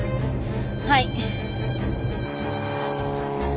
はい。